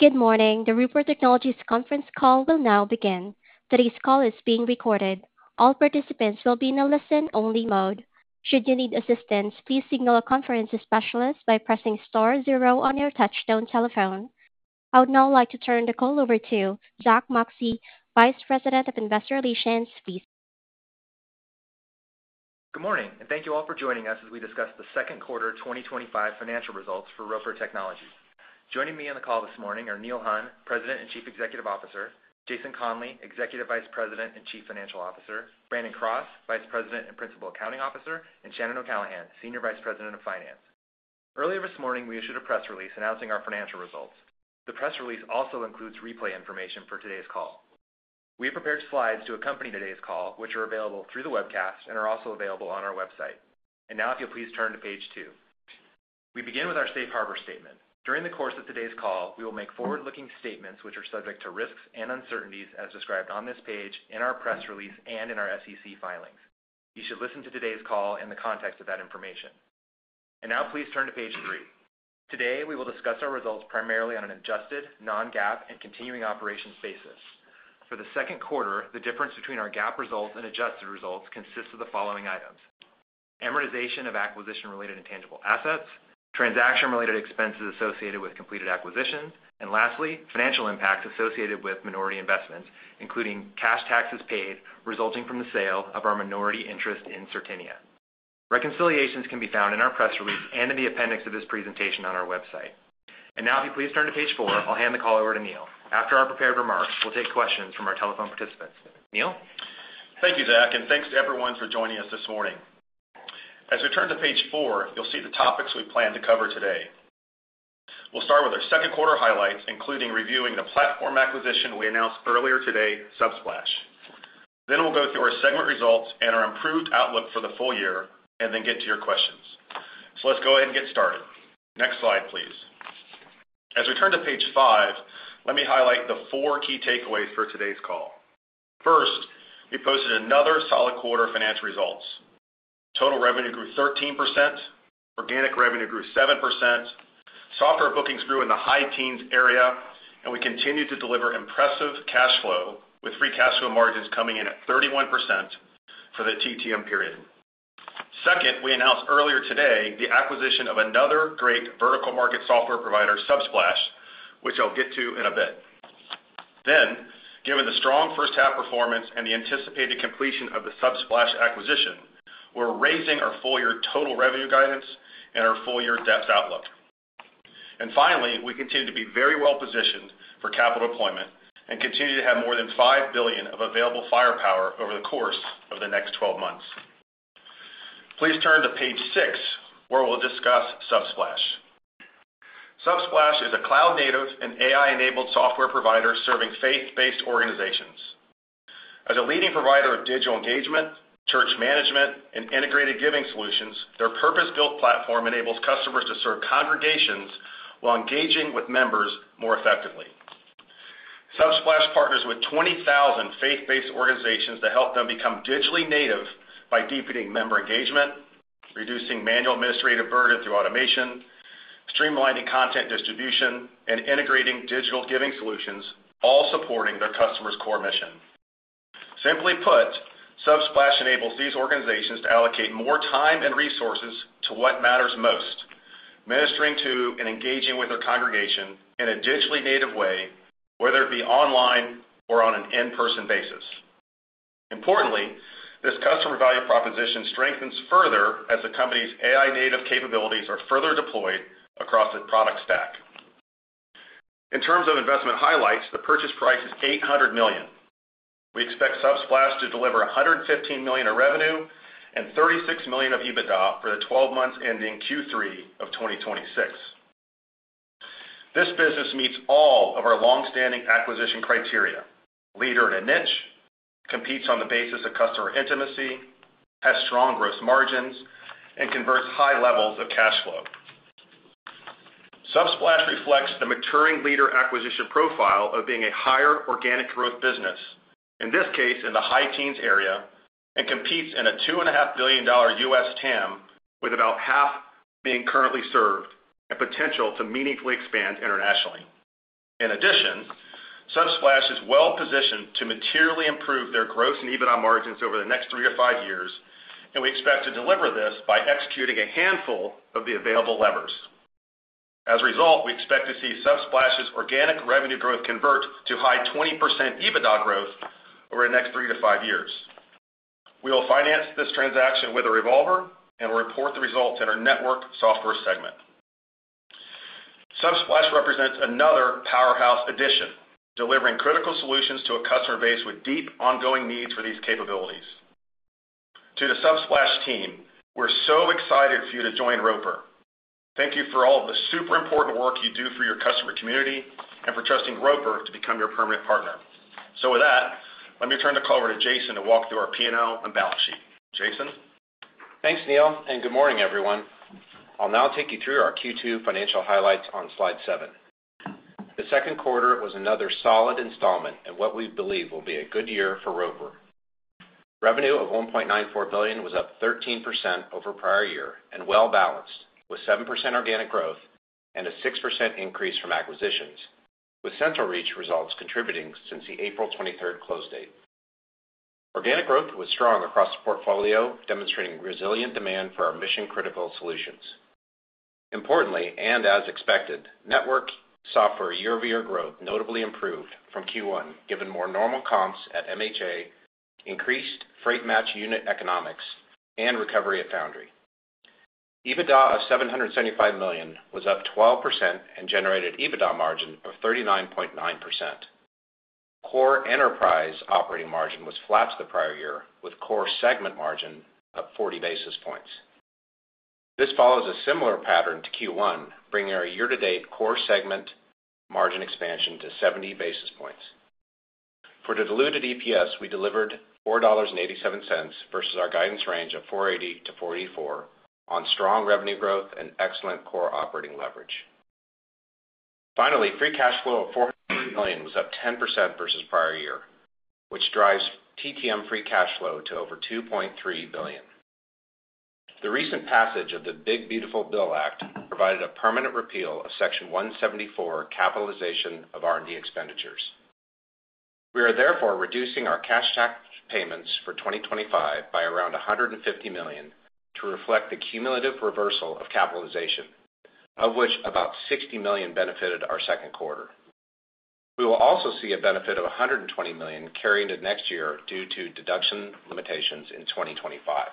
Good morning. The Roper Technologies conference call will now begin. Today's call is being recorded. All participants will be in a listen-only mode. Should you need assistance, please signal a conference specialist by pressing star zero on your touchstone telephone. I would now like to turn the call over to Zack Moxcey, Vice President of Investor Relations, please. Good morning, and thank you all for joining us as we discuss the second quarter 2025 financial results for Roper Technologies. Joining me on the call this morning are Neil Hunn, President and Chief Executive Officer; Jason Conley, Executive Vice President and Chief Financial Officer; Brandon Cross, Vice President and Principal Accounting Officer; and Shannon O'Callaghan, Senior Vice President of Finance. Earlier this morning, we issued a press release announcing our financial results. The press release also includes replay information for today's call. We have prepared slides to accompany today's call, which are available through the webcast and are also available on our website. If you'll please turn to page two. We begin with our Safe Harbor Statement. During the course of today's call, we will make forward-looking statements which are subject to risks and uncertainties as described on this page in our press release and in our SEC filings. You should listen to today's call in the context of that information. Please turn to page three. Today, we will discuss our results primarily on an adjusted, non-GAAP, and continuing operations basis. For the second quarter, the difference between our GAAP results and adjusted results consists of the following items: amortization of acquisition-related intangible assets, transaction-related expenses associated with completed acquisitions, and lastly, financial impacts associated with minority investments, including cash taxes paid resulting from the sale of our minority interest in Certinia. Reconciliations can be found in our press release and in the appendix of this presentation on our website. If you please turn to page four, I'll hand the call over to Neil. After our prepared remarks, we'll take questions from our telephone participants. Neil? Thank you, Zack, and thanks to everyone for joining us this morning. As we turn to page four, you'll see the topics we plan to cover today. We'll start with our second quarter highlights, including reviewing the platform acquisition we announced earlier today, Subsplash. Then we'll go through our segment results and our improved outlook for the full year, and then get to your questions. Let's go ahead and get started. Next slide, please. As we turn to page five, let me highlight the four key takeaways for today's call. First, we posted another solid quarter of financial results. Total revenue grew 13%. Organic revenue grew 7%. Software bookings grew in the high teens area, and we continued to deliver impressive cash flow with free cash flow margins coming in at 31% for the TTM period. Second, we announced earlier today the acquisition of another great vertical market software provider, Subsplash, which I'll get to in a bit. Then given the strong first half performance and the anticipated completion of the Subsplash acquisition, we're raising our full year total revenue guidance and our full year debt outlook. Finally, we continue to be very well positioned for capital deployment and continue to have more than $5 billion of available firepower over the course of the next 12 months. Please turn to page six where we'll discuss Subsplash. Subsplash is a cloud-native and AI-enabled software provider serving faith-based organizations. As a leading provider of digital engagement, church management, and integrated giving solutions, their purpose-built platform enables customers to serve congregations while engaging with members more effectively. Subsplash partners with 20,000 faith-based organizations to help them become digitally native by deepening member engagement, reducing manual administrative burden through automation, streamlining content distribution, and integrating digital giving solutions, all supporting their customers' core mission. Simply put, Subsplash enables these organizations to allocate more time and resources to what matters most. Ministering to and engaging with their congregation in a digitally native way, whether it be online or on an in-person basis. Importantly, this customer value proposition strengthens further as the company's AI-native capabilities are further deployed across the product stack. In terms of investment highlights, the purchase price is $800 million. We expect Subsplash to deliver $115 million of revenue and $36 million of EBITDA for the 12 months ending Q3 of 2026. This business meets all of our longstanding acquisition criteria: leader in a niche, competes on the basis of customer intimacy, has strong gross margins, and converts high levels of cash flow. Subsplash reflects the maturing leader acquisition profile of being a higher organic growth business, in this case in the high teens area, and competes in a $2.5 billion US TAM with about half being currently served and potential to meaningfully expand internationally. In addition, Subsplash is well positioned to materially improve their gross and EBITDA margins over the next three or five years, and we expect to deliver this by executing a handful of the available levers. As a result, we expect to see Subsplash's organic revenue growth convert to high 20% EBITDA growth over the next three to five years. We will finance this transaction with a revolver and report the results in our network software segment. Subsplash represents another powerhouse addition, delivering critical solutions to a customer base with deep ongoing needs for these capabilities. To the Subsplash team, we're so excited for you to join Roper. Thank you for all of the super important work you do for your customer community and for trusting Roper to become your permanent partner. With that, let me turn the call over to Jason to walk through our P&L and balance sheet. Jason? Thanks, Neil, and good morning, everyone. I'll now take you through our Q2 financial highlights on slide seven. The second quarter was another solid installment in what we believe will be a good year for Roper. Revenue of $1.94 billion was up 13% over prior year and well balanced, with 7% organic growth and a 6% increase from acquisitions, with CentralReach results contributing since the April 23rd close date. Organic growth was strong across the portfolio, demonstrating resilient demand for our mission-critical solutions. Importantly, and as expected, network software year-over-year growth notably improved from Q1, given more normal comps at MHA, increased freight match unit economics, and recovery at Foundry. EBITDA of $775 million was up 12% and generated EBITDA margin of 39.9%. Core enterprise operating margin was flat to the prior year, with core segment margin up 40 basis points. This follows a similar pattern to Q1, bringing our year-to-date core segment margin expansion to 70 basis points. For the diluted EPS, we delivered $4.87 versus our guidance range of $4.80-$4.84 on strong revenue growth and excellent core operating leverage. Finally, free cash flow of $400 million was up 10% versus prior year, which drives TTM free cash flow to over $2.3 billion. The recent passage of the Big Beautiful Bill Act provided a permanent repeal of Section 174 capitalization of R&D expenditures. We are therefore reducing our cash tax payments for 2025 by around $150 million to reflect the cumulative reversal of capitalization, of which about $60 million benefited our second quarter. We will also see a benefit of $120 million carrying to next year due to deduction limitations in 2025.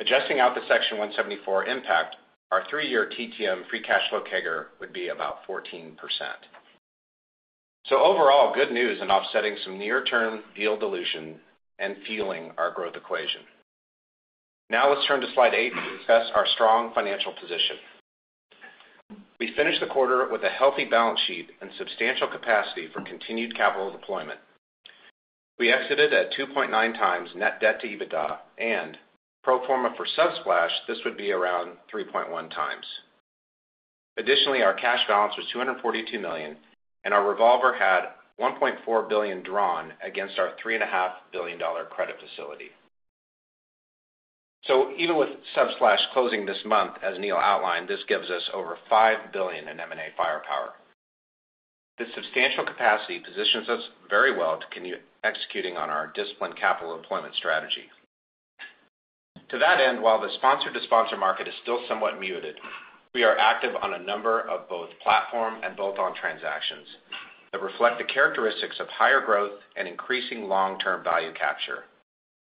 Adjusting out the Section 174 impact, our three-year TTM free cash flow CAGR would be about 14%. Overall, good news in offsetting some near-term yield dilution and fueling our growth equation. Now let's turn to slide eight to discuss our strong financial position. We finished the quarter with a healthy balance sheet and substantial capacity for continued capital deployment. We exited at 2.9x net debt to EBITDA, and pro forma for Subsplash, this would be around 3.1x. Additionally, our cash balance was $242 million, and our revolver had $1.4 billion drawn against our $3.5 billion credit facility. Even with Subsplash closing this month, as Neil outlined, this gives us over $5 billion in M&A firepower. This substantial capacity positions us very well to executing on our disciplined capital deployment strategy. To that end, while the sponsor-to-sponsor market is still somewhat muted, we are active on a number of both platform and bolt-on transactions that reflect the characteristics of higher growth and increasing long-term value capture,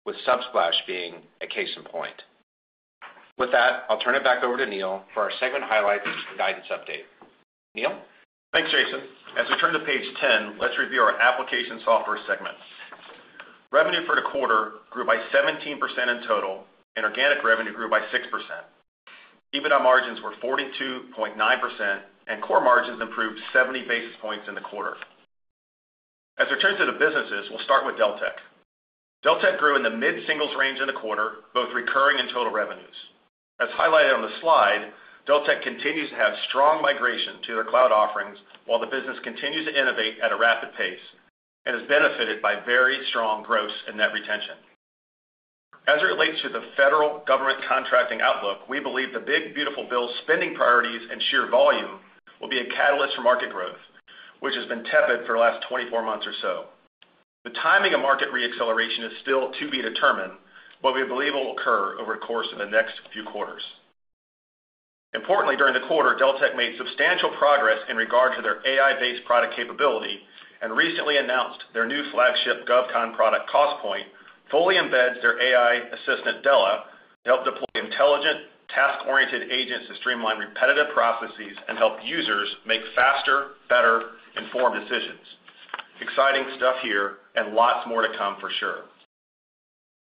with Subsplash being a case in point. With that, I'll turn it back over to Neil for our segment highlights and guidance update. Neil? Thanks, Jason. As we turn to page 10, let's review our application software segment. Revenue for the quarter grew by 17% in total, and organic revenue grew by 6%. EBITDA margins were 42.9%, and core margins improved 70 basis points in the quarter. As we turn to the businesses, we'll start with Deltek. Deltek grew in the mid-single digits range in the quarter, both recurring and total revenues. As highlighted on the slide, Deltek continues to have strong migration to their cloud offerings while the business continues to innovate at a rapid pace and is benefited by very strong gross and net retention. As it relates to the federal government contracting outlook, we believe The Big Beautiful Bill spending priorities and sheer volume will be a catalyst for market growth, which has been tepid for the last 24 months or so. The timing of market re-acceleration is still to be determined, but we believe it will occur over the course of the next few quarters. Importantly, during the quarter, Deltek made substantial progress in regard to their AI-based product capability and recently announced their new flagship GovCon product, Costpoint, fully embeds their AI assistant, Della, to help deploy intelligent, task-oriented agents to streamline repetitive processes and help users make faster, better, informed decisions. Exciting stuff here and lots more to come for sure.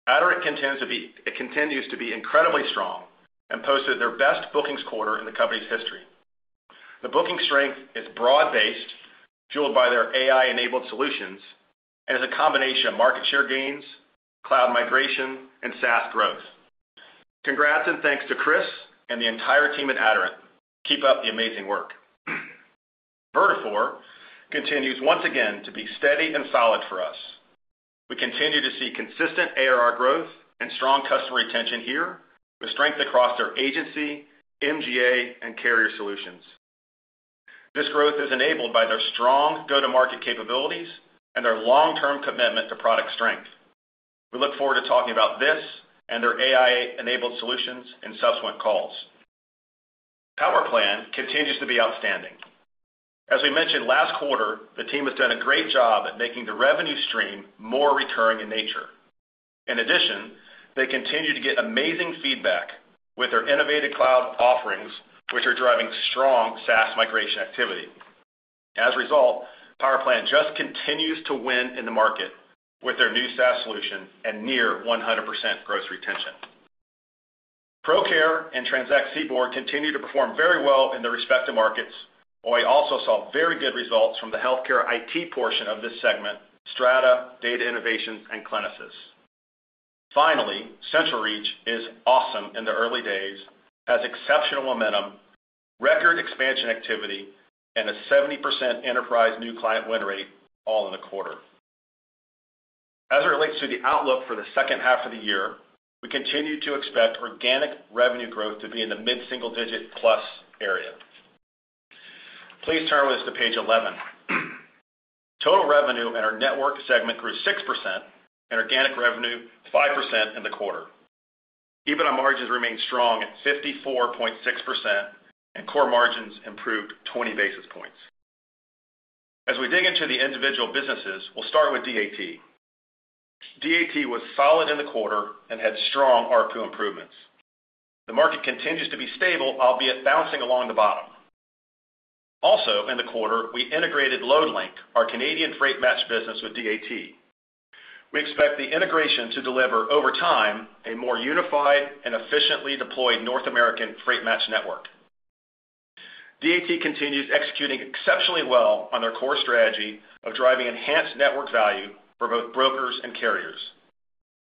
Aderant continues to be incredibly strong and posted their best bookings quarter in the company's history. The booking strength is broad-based, fueled by their AI-enabled solutions, and is a combination of market share gains, cloud migration, and SaaS growth. Congrats and thanks to Chris and the entire team at Aderant. Keep up the amazing work. Vertafore continues once again to be steady and solid for us. We continue to see consistent ARR growth and strong customer retention here with strength across their agency, MGA, and carrier solutions. This growth is enabled by their strong go-to-market capabilities and their long-term commitment to product strength. We look forward to talking about this and their AI-enabled solutions in subsequent calls. PowerPlan continues to be outstanding. As we mentioned last quarter, the team has done a great job at making the revenue stream more recurring in nature. In addition, they continue to get amazing feedback with their innovative cloud offerings, which are driving strong SaaS migration activity. As a result, PowerPlan just continues to win in the market with their new SaaS solution and near 100% gross retention. ProCare and Transact CBORD continue to perform very well in their respective markets, while we also saw very good results from the healthcare IT portion of this segment, Strata, Data Innovations, and Clinisys. Finally, CentralReach is awesome in the early days, has exceptional momentum, record expansion activity, and a 70% enterprise new client win rate all in the quarter. As it relates to the outlook for the second half of the year, we continue to expect organic revenue growth to be in the mid-single digit plus area. Please turn with us to page 11. Total revenue in our network segment grew 6%, and organic revenue 5% in the quarter. EBITDA margins remained strong at 54.6%, and core margins improved 20 basis points. As we dig into the individual businesses, we'll start with DAT. DAT was solid in the quarter and had strong RPU improvements. The market continues to be stable, albeit bouncing along the bottom. Also, in the quarter, we integrated LoadLink, our Canadian freight match business with DAT. We expect the integration to deliver, over time, a more unified and efficiently deployed North American freight match network. DAT continues executing exceptionally well on their core strategy of driving enhanced network value for both brokers and carriers.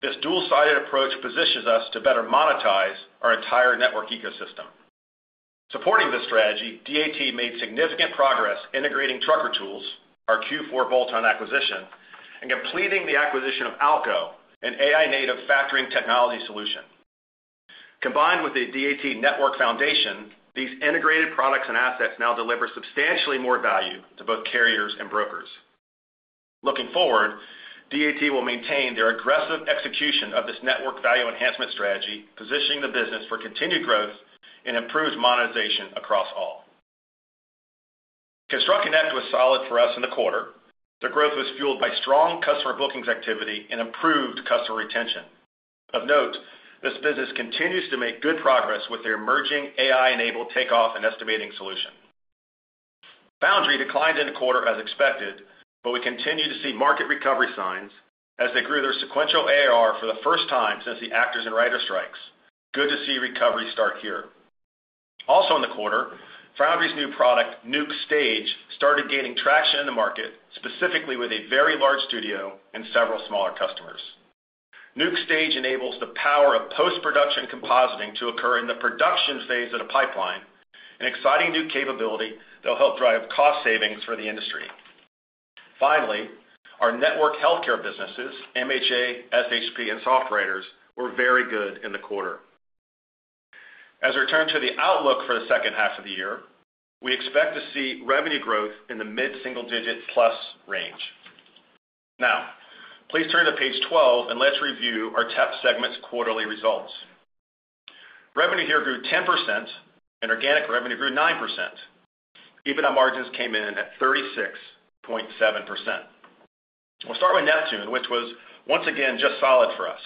This dual-sided approach positions us to better monetize our entire network ecosystem. Supporting this strategy, DAT made significant progress integrating Trucker Tools, our Q4 bolt-on acquisition, and completing the acquisition of Algo, an AI-native factoring technology solution. Combined with the DAT network foundation, these integrated products and assets now deliver substantially more value to both carriers and brokers. Looking forward, DAT will maintain their aggressive execution of this network value enhancement strategy, positioning the business for continued growth and improved monetization across all. ConstructConnect was solid for us in the quarter. Their growth was fueled by strong customer bookings activity and improved customer retention. Of note, this business continues to make good progress with their emerging AI-enabled takeoff and estimating solution. Foundry declined in the quarter as expected, but we continue to see market recovery signs as they grew their sequential ARR for the first time since the Actors and Writers' Strikes. Good to see recovery start here. Also in the quarter, Foundry's new product, Nuke Stage, started gaining traction in the market, specifically with a very large studio and several smaller customers. Nuke Stage enables the power of post-production compositing to occur in the production phase of the pipeline, an exciting new capability that will help drive cost savings for the industry. Finally, our network healthcare businesses, MHA, SHP, and SoftWriters were very good in the quarter. As we turn to the outlook for the second half of the year, we expect to see revenue growth in the mid-single digit plus range. Now, please turn to page 12, and let's review our TEP segment's quarterly results. Revenue here grew 10%, and organic revenue grew 9%. EBITDA margins came in at 36.7%. We'll start with Neptune, which was once again just solid for us.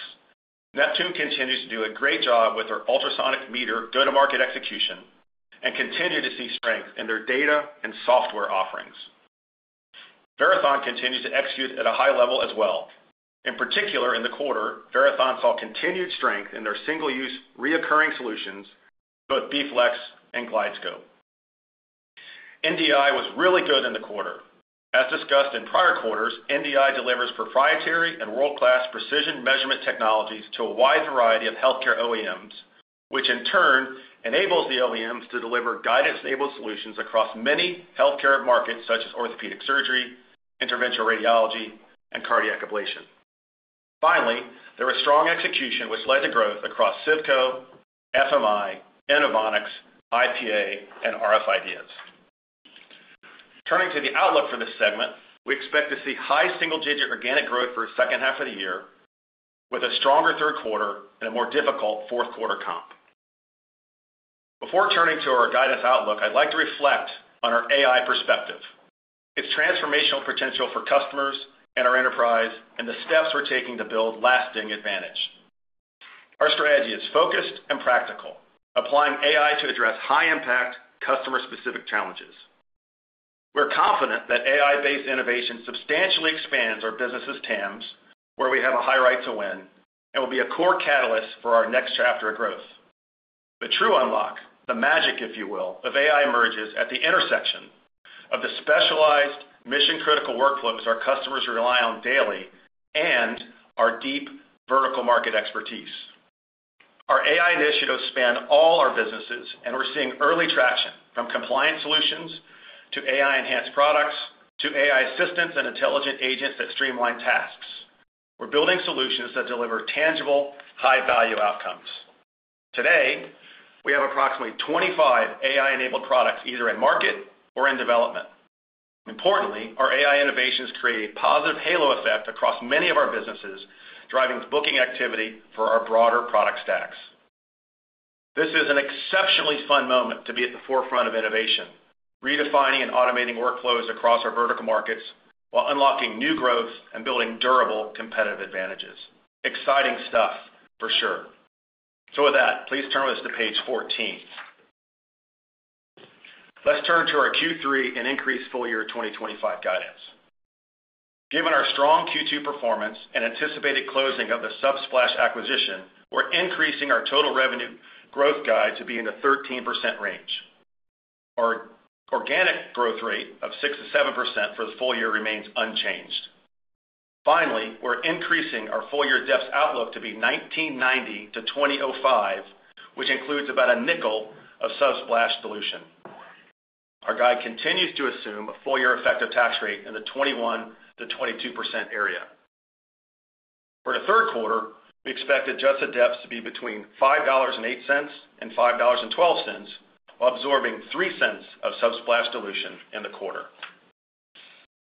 Neptune continues to do a great job with their ultrasonic meter go-to-market execution and continue to see strength in their data and software offerings. Verathon continues to execute at a high level as well. In particular, in the quarter, Verathon saw continued strength in their single-use reoccurring solutions, both BFlex and GlideScope. NDI was really good in the quarter. As discussed in prior quarters, NDI delivers proprietary and world-class precision measurement technologies to a wide variety of healthcare OEMs, which in turn enables the OEMs to deliver guidance-enabled solutions across many healthcare markets such as orthopedic surgery, interventional radiology, and cardiac ablation. Finally, there was strong execution, which led to growth across CIFCO, FMI, Inovonix, IPA, and rf IDEas. Turning to the outlook for this segment, we expect to see high single-digit organic growth for the second half of the year, with a stronger third quarter and a more difficult fourth quarter comp. Before turning to our guidance outlook, I'd like to reflect on our AI perspective, its transformational potential for customers and our enterprise, and the steps we're taking to build lasting advantage. Our strategy is focused and practical, applying AI to address high-impact customer-specific challenges. We're confident that AI-based innovation substantially expands our business's TAMs, where we have a high right to win, and will be a core catalyst for our next chapter of growth. The true unlock, the magic, if you will, of AI emerges at the intersection of the specialized mission-critical workflows our customers rely on daily and our deep vertical market expertise. Our AI initiatives span all our businesses, and we're seeing early traction from compliance solutions to AI-enhanced products to AI assistants and intelligent agents that streamline tasks. We're building solutions that deliver tangible, high-value outcomes. Today, we have approximately 25 AI-enabled products either in market or in development. Importantly, our AI innovations create a positive halo effect across many of our businesses, driving booking activity for our broader product stacks. This is an exceptionally fun moment to be at the forefront of innovation, redefining and automating workflows across our vertical markets while unlocking new growth and building durable competitive advantages. Exciting stuff for sure. So with that please turn with us to page 14. Let's turn to our Q3 and increased full year 2025 guidance. Given our strong Q2 performance and anticipated closing of the Subsplash acquisition, we're increasing our total revenue growth guide to be in the 13% range. Our organic growth rate of 6-7% for the full year remains unchanged. Finally, we're increasing our full year DEPS outlook to be $19.90-$20.05, which includes about a nickel of Subsplash dilution. Our guide continues to assume a full year effective tax rate in the 21-22% area. For the third quarter, we expect adjusted DEPS to be between $5.08-$5.12 while absorbing $0.03 of Subsplash dilution in the quarter.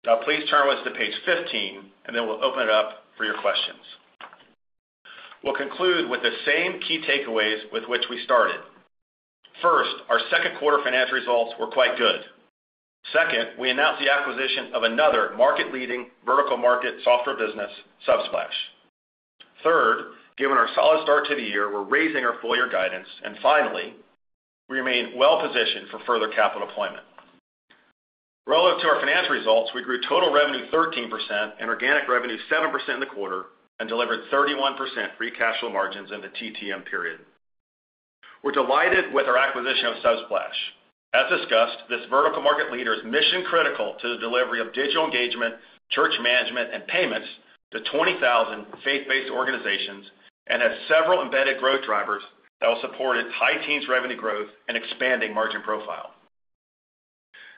Now, please turn with us to page 15, and then we'll open it up for your questions. We'll conclude with the same key takeaways with which we started. First, our second quarter financial results were quite good. Second, we announced the acquisition of another market-leading vertical market software business, Subsplash. Third, given our solid start to the year, we're raising our full year guidance. Finally, we remain well-positioned for further capital deployment. Relative to our financial results, we grew total revenue 13% and organic revenue 7% in the quarter and delivered 31% free cash flow margins in the TTM period. We're delighted with our acquisition of Subsplash. As discussed, this vertical market leader is mission-critical to the delivery of digital engagement, church management, and payments to 20,000 faith-based organizations and has several embedded growth drivers that will support its high teens revenue growth and expanding margin profile.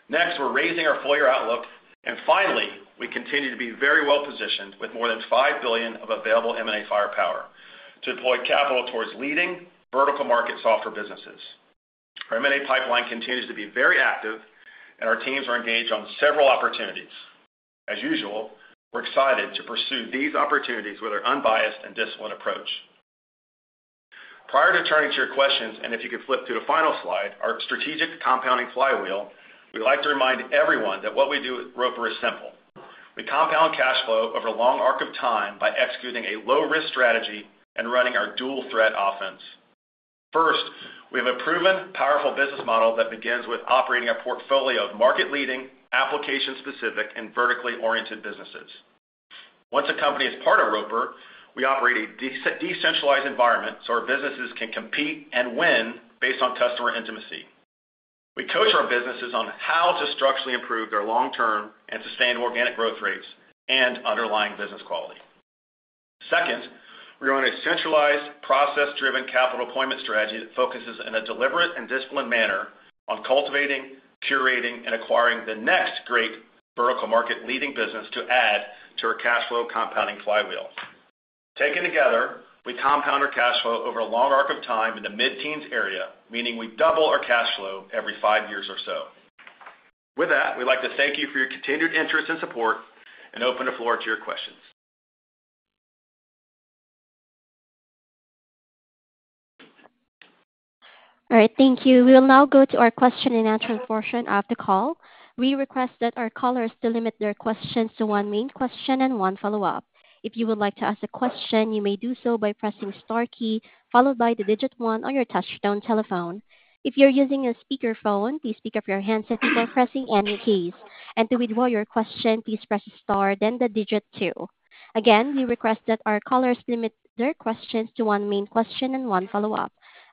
Next, we're raising our full year outlook. Finally, we continue to be very well-positioned with more than $5 billion of available M&A firepower to deploy capital towards leading vertical market software businesses. Our M&A pipeline continues to be very active, and our teams are engaged on several opportunities. As usual, we're excited to pursue these opportunities with our unbiased and disciplined approach. Prior to turning to your questions, and if you could flip to the final slide, our strategic compounding flywheel, we'd like to remind everyone that what we do at Roper is simple. We compound cash flow over a long arc of time by executing a low-risk strategy and running our dual-threat offense. First, we have a proven, powerful business model that begins with operating a portfolio of market-leading, application-specific, and vertically oriented businesses. Once a company is part of Roper, we operate a decentralized environment so our businesses can compete and win based on customer intimacy. We coach our businesses on how to structurally improve their long-term and sustained organic growth rates and underlying business quality. Second, we run a centralized, process-driven capital appointment strategy that focuses in a deliberate and disciplined manner on cultivating, curating, and acquiring the next great vertical market-leading business to add to our cash flow compounding flywheel. Taken together, we compound our cash flow over a long arc of time in the mid-teens area, meaning we double our cash flow every five years or so. With that, we'd like to thank you for your continued interest and support and open the floor to your questions. All right. Thank you. We will now go to our question and answer portion of the call. We request that our callers delimit their questions to one main question and one follow-up. If you would like to ask a question, you may do so by pressing the star key followed by the digit one on your touch-tone telephone. If you're using a speakerphone, please speak up your hands if you are pressing any keys. To withdraw your question, please press star, then the digit two. Again, we request that our callers delimit their questions to one main question and one follow-up.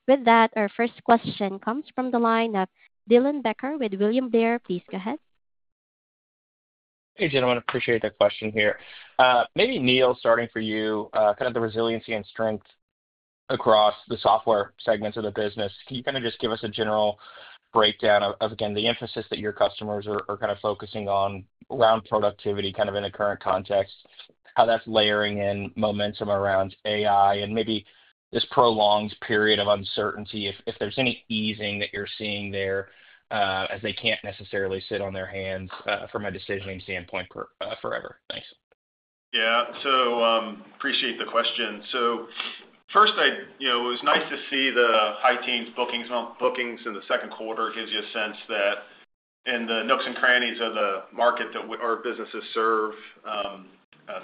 With that, our first question comes from the line of Dylan Becker with William Blair. Please go ahead. Hey, gentlemen. Appreciate the question here. Maybe Neil, starting for you, kind of the resiliency and strength across the software segments of the business. Can you kind of just give us a general breakdown of, again, the emphasis that your customers are kind of focusing on around productivity kind of in the current context, how that's layering in momentum around AI, and maybe this prolonged period of uncertainty, if there's any easing that you're seeing there as they can't necessarily sit on their hands from a decisioning standpoint forever. Thanks. Yeah. So appreciate the question. First, it was nice to see the high teens bookings in the second quarter. It gives you a sense that in the nooks and crannies of the market that our businesses serve,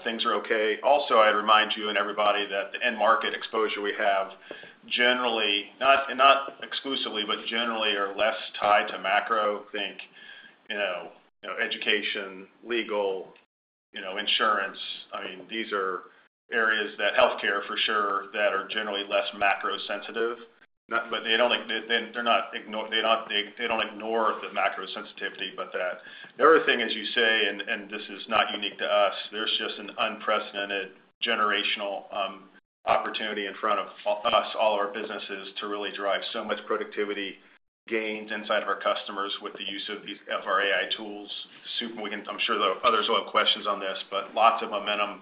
things are okay. Also, I'd remind you and everybody that the end market exposure we have generally, not exclusively, but generally are less tied to macro. Think education, legal, insurance. I mean, these are areas that healthcare for sure that are generally less macro-sensitive. They don't ignore the macro sensitivity, but everything, as you say, and this is not unique to us, there's just an unprecedented generational opportunity in front of us, all our businesses, to really drive so much productivity gains inside of our customers with the use of our AI tools. I'm sure others will have questions on this, but lots of momentum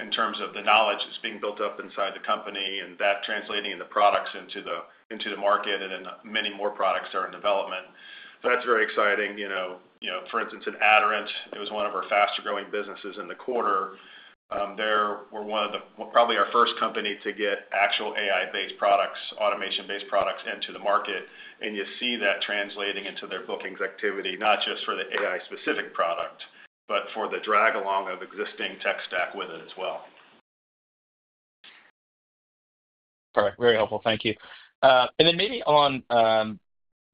in terms of the knowledge that's being built up inside the company and that translating into products into the market and then many more products that are in development. That's very exciting. For instance, in Aderant, it was one of our fastest-growing businesses in the quarter. They were probably our first company to get actual AI-based products, automation-based products into the market. You see that translating into their bookings activity, not just for the AI-specific product, but for the drag-along of existing tech stack with it as well. All right. Very helpful. Thank you. Maybe on,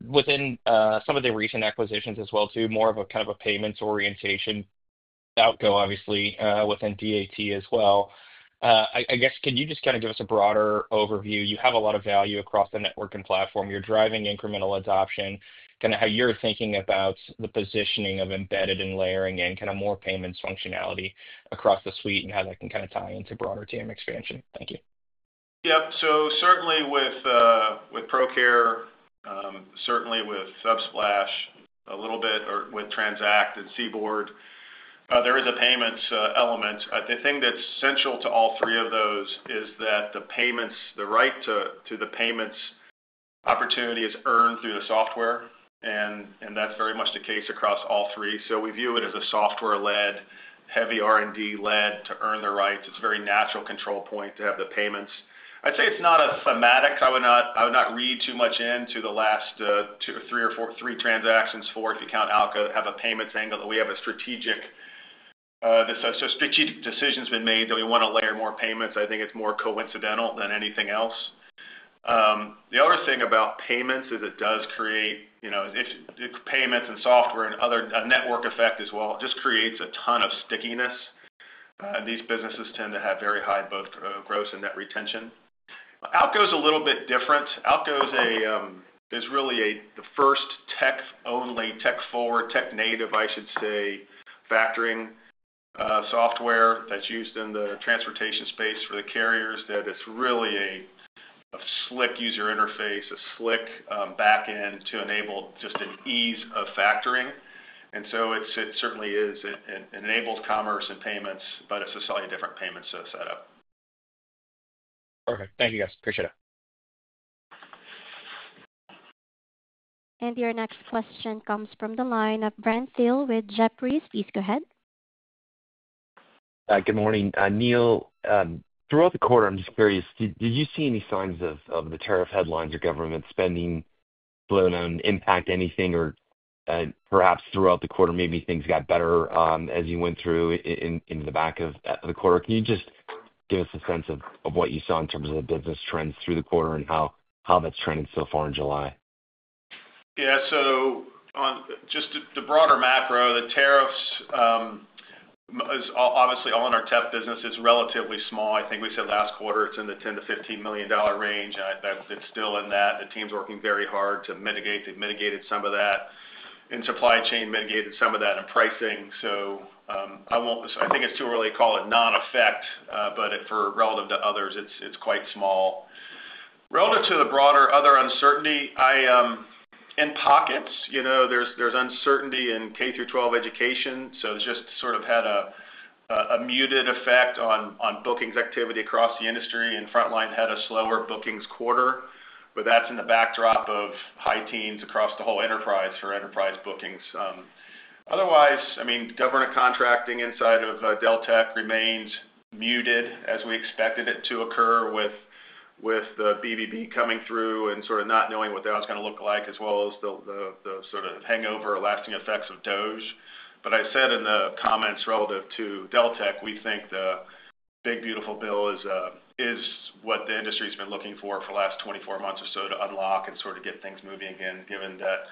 within some of the recent acquisitions as well, too, more of a kind of a payments orientation, Algo, obviously, within DAT as well. I guess, can you just kind of give us a broader overview? You have a lot of value across the network and platform. You're driving incremental adoption, kind of how you're thinking about the positioning of embedded and layering and kind of more payments functionality across the suite and how that can kind of tie into broader TAM expansion. Thank you. Yep. Certainly with ProCare, certainly with Subsplash a little bit, or with Transact and CBORD, there is a payments element. The thing that's central to all three of those is that the payments, the right to the payments opportunity, is earned through the software. That's very much the case across all three. We view it as a software-led, heavy R&D-led to earn the rights. It's a very natural control point to have the payments. I'd say it's not a thematic. I would not read too much into the last three or four transactions, four if you count Algo, have a payments angle, that we have a strategic—so strategic decisions have been made that we want to layer more payments. I think it's more coincidental than anything else. The other thing about payments is it does create—payments and software and other network effect as well just creates a ton of stickiness. These businesses tend to have very high both growth and net retention. Algo's a little bit different. Algo's is really the first tech-only, tech-forward, tech-native, I should say, factoring software that's used in the transportation space for the carriers. It's really a slick user interface, a slick backend to enable just an ease of factoring. It certainly is and enables commerce and payments, but it's a slightly different payments setup. Perfect. Thank you, guys. Appreciate it. Your next question comes from the line of Brent Thill with Jefferies. Please go ahead. Good morning. Neil, throughout the quarter, I'm just curious, did you see any signs of the tariff headlines or government spending blown out and impact anything, or perhaps throughout the quarter, maybe things got better as you went through into the back of the quarter? Can you just give us a sense of what you saw in terms of the business trends through the quarter and how that's trended so far in July? Yeah. So. Just the broader macro, the tariffs. Obviously, all in our tech business is relatively small. I think we said last quarter it's in the $10 million-$15 million range, and it's still in that. The team's working very hard to mitigate. They've mitigated some of that. In supply chain, mitigated some of that in pricing. I think it's too early to call it non-effect, but relative to others, it's quite small. Relative to the broader other uncertainty. In pockets, there's uncertainty in K through 12 education. It's just sort of had a muted effect on bookings activity across the industry and frontline had a slower bookings quarter, but that's in the backdrop of high teens across the whole enterprise for enterprise bookings. Otherwise, I mean, government contracting inside of Deltek remains muted as we expected it to occur with the BBB coming through and sort of not knowing what that was going to look like as well as the sort of hangover or lasting effects of DOGE. I said in the comments relative to Deltek, we think The Big Beautiful Bill is what the industry has been looking for for the last 24 months or so to unlock and sort of get things moving again, given that.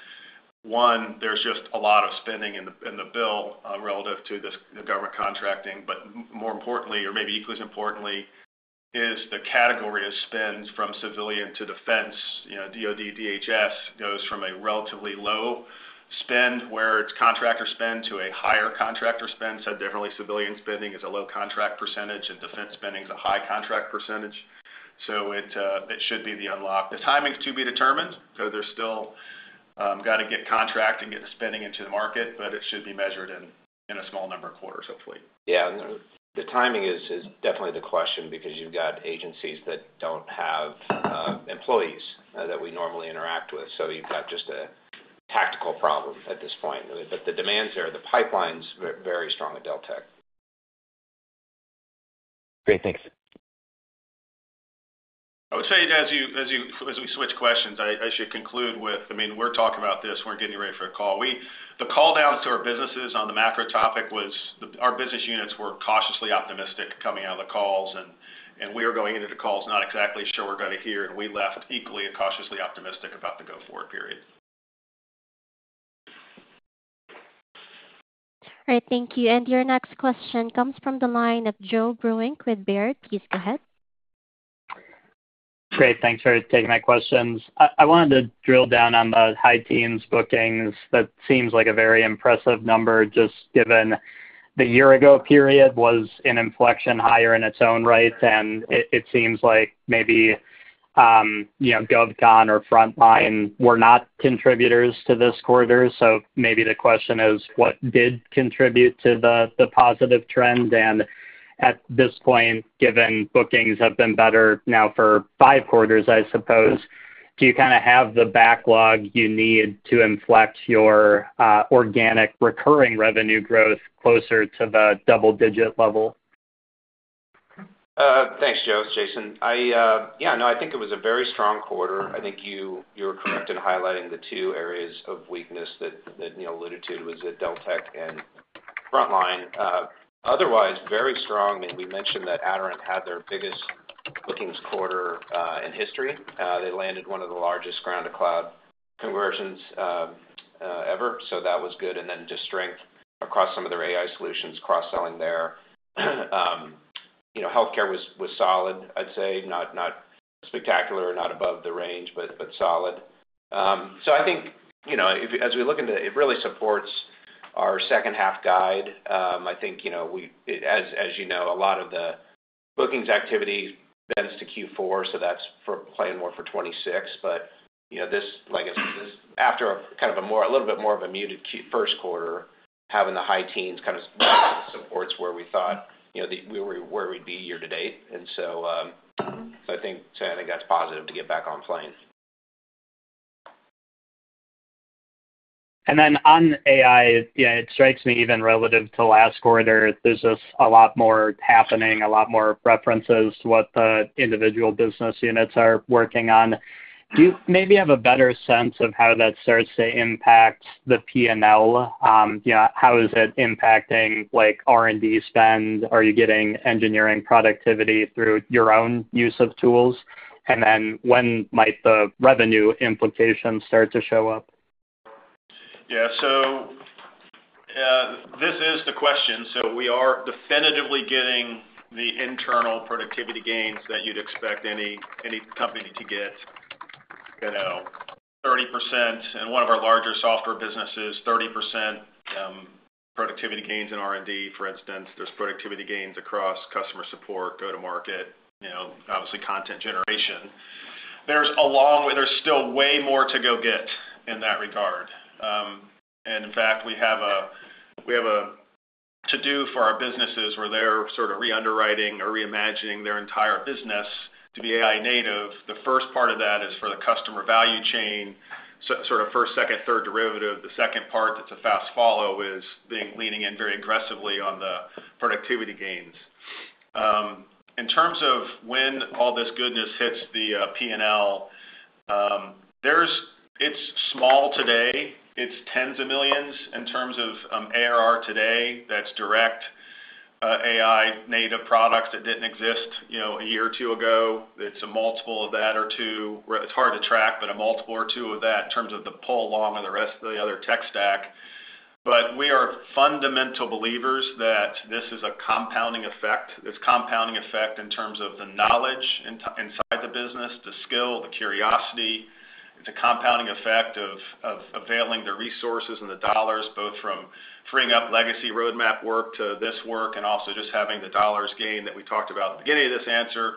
One, there's just a lot of spending in the bill relative to the government contracting. More importantly, or maybe equally as importantly, is the category of spend from civilian to defense. DOD, DHS goes from a relatively low spend where it's contractor spend to a higher contractor spend. Said differently, civilian spending is a low contract percentage and defense spending is a high contract percentage. It should be the unlock. The timing's to be determined. There's still got to get contract and get spending into the market, but it should be measured in a small number of quarters, hopefully. Yeah. The timing is definitely the question because you've got agencies that don't have employees that we normally interact with. You have just a tactical problem at this point. The demand's there, the pipeline's very strong at Deltek. Great. Thanks. I would say as we switch questions, I should conclude with, I mean, we're talking about this. We're getting ready for a call. The call down to our businesses on the macro topic was our business units were cautiously optimistic coming out of the calls, and we were going into the calls not exactly sure we were going to hear. We left equally cautiously optimistic about the go-forward period. All right. Thank you. Your next question comes from the line of Joe Vruwink with Baird. Please go ahead. Great. Thanks for taking my questions. I wanted to drill down on the high teens bookings. That seems like a very impressive number just given the year-ago period was an inflection higher in its own right. It seems like maybe GovCon or Frontline were not contributors to this quarter. Maybe the question is, what did contribute to the positive trend? At this point, given bookings have been better now for five quarters, I suppose, do you kind of have the backlog you need to inflect your organic recurring revenue growth closer to the double-digit level? Thanks, Joe, It's Jason. Yeah. No, I think it was a very strong quarter. I think you were correct in highlighting the two areas of weakness that Neil alluded to, was that Deltek and Frontline. Otherwise, very strong. I mean, we mentioned that Aderant had their biggest bookings quarter in history. They landed one of the largest ground-to-cloud conversions. Ever. So that was good. And then just strength across some of their AI solutions, cross-selling there. Healthcare was solid, I'd say. Not spectacular or not above the range, but solid. I think. As we look into it, it really supports our second-half guide. I think. As you know, a lot of the bookings activity bends to Q4, so that's for plan more for 2026. This, like I said, after kind of a little bit more of a muted first quarter, having the high teens kind of supports where we thought we were where we'd be year to date. I think that's positive to get back on plane. On AI, yeah, it strikes me even relative to last quarter, there's just a lot more happening, a lot more references to what the individual business units are working on. Do you maybe have a better sense of how that starts to impact the P&L? How is it impacting R&D spend? Are you getting engineering productivity through your own use of tools? When might the revenue implications start to show up? Yeah. This is the question. We are definitively getting the internal productivity gains that you'd expect any company to get. 30% in one of our larger software businesses, 30% productivity gains in R&D, for instance. There are productivity gains across customer support, go-to-market, obviously content generation. There is still way more to go get in that regard. In fact, we have a to-do for our businesses where they are sort of re-underwriting or reimagining their entire business to be AI native. The first part of that is for the customer value chain, sort of first, second, third derivative. The second part that is a fast follow is leaning in very aggressively on the productivity gains. In terms of when all this goodness hits the P&L, it is small today. It is tens of millions in terms of ARR today. That is direct AI native products that did not exist a year or two ago. It is a multiple of that or two. It is hard to track, but a multiple or two of that in terms of the pull along and the rest of the other tech stack. We are fundamental believers that this is a compounding effect. It is a compounding effect in terms of the knowledge inside the business, the skill, the curiosity. It is a compounding effect of availing the resources and the dollars, both from freeing up legacy roadmap work to this work and also just having the dollars gain that we talked about at the beginning of this answer.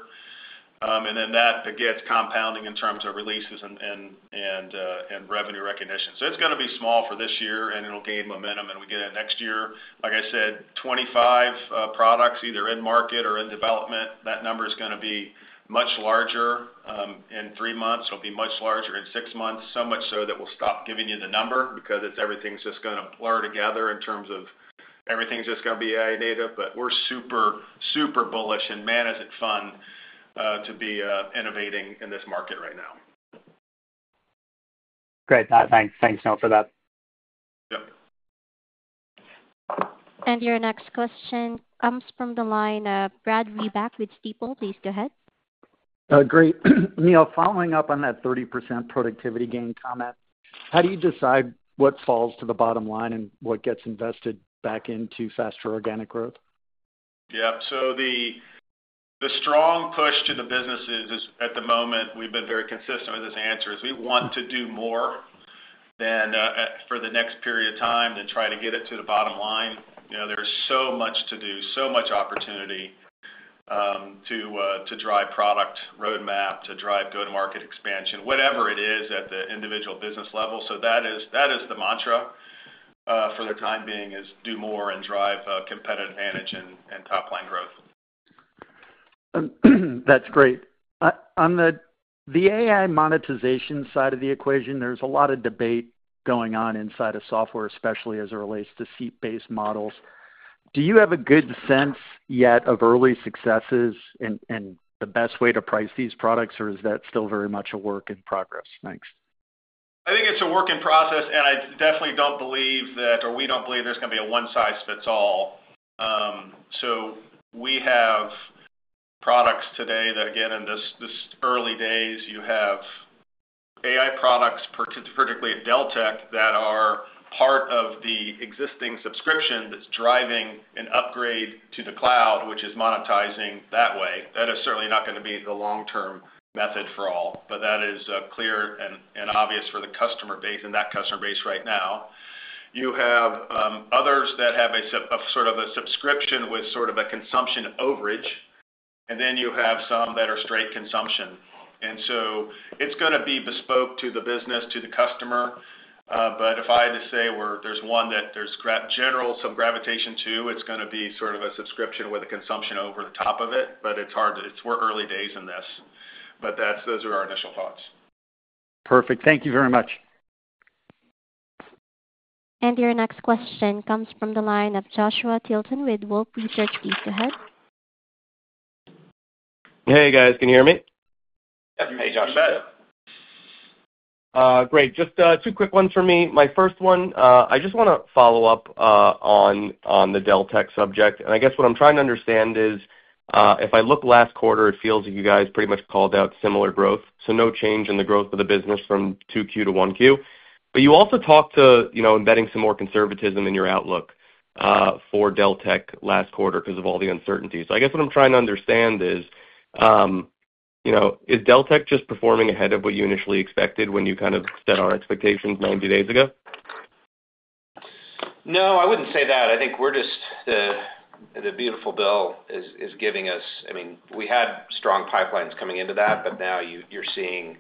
That begets compounding in terms of releases and revenue recognition. It is going to be small for this year, and it will gain momentum. We get it next year. Like I said, 25 products either in market or in development. That number is going to be much larger in three months. It will be much larger in six months, so much so that we will stop giving you the number because everything is just going to blur together in terms of everything is just going to be AI native. We are super, super bullish and manage it fun to be innovating in this market right now. Great. Thanks, Neil, for that. Yep. Your next question comes from the line of Brad Reback with Stifel. Please go ahead. Great. Neil, following up on that 30% productivity gain comment, how do you decide what falls to the bottom line and what gets invested back into faster organic growth? Yeah. The strong push to the businesses at the moment, we've been very consistent with this answer, is we want to do more. For the next period of time than try to get it to the bottom line. There's so much to do, so much opportunity to drive product roadmap, to drive go-to-market expansion, whatever it is at the individual business level. That is the mantra for the time being, is do more and drive competitive advantage and top-line growth. That's great. On the AI monetization side of the equation, there's a lot of debate going on inside of software, especially as it relates to seat-based models. Do you have a good sense yet of early successes and the best way to price these products, or is that still very much a work in progress? Thanks. I think it's a work in process, and I definitely don't believe that, or we don't believe there's going to be a one-size-fits-all. We have products today that, again, in this early days, you have AI products, particularly at Deltek, that are part of the existing subscription that's driving an upgrade to the Cloud, which is monetizing that way. That is certainly not going to be the long-term method for all, but that is clear and obvious for the customer base and that customer base right now. You have others that have sort of a subscription with sort of a consumption overage, and then you have some that are straight consumption. It is going to be bespoke to the business, to the customer. If I had to say where there's one that there's general some gravitation to, it's going to be sort of a subscription with a consumption over the top of it, but it's hard to—it's we're early days in this. Those are our initial thoughts. Perfect. Thank you very much. Your next question comes from the line of Joshua Tilton with Wolfe Research. Please go ahead. Hey, guys. Can you hear me? Yeah. Hey, Joshua. Great. Just two quick ones for me. My first one, I just want to follow up on the Deltek subject. I guess what I'm trying to understand is if I look last quarter, it feels like you guys pretty much called out similar growth. No change in the growth of the business from 2Q to 1Q. You also talked to embedding some more conservatism in your outlook for Deltek last quarter because of all the uncertainty. I guess what I'm trying to understand is, is Deltek just performing ahead of what you initially expected when you kind of set our expectations 90 days ago? No, I wouldn't say that. I think we're just—The Beautiful Bill is giving us—I mean, we had strong pipelines coming into that, but now you're seeing